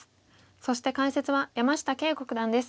そして解説は山下敬吾九段です。